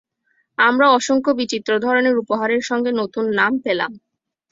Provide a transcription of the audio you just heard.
আমরা অসংখ্য বিচিত্র ধরনের উপহারের সঙ্গে নতুন নাম পেলাম।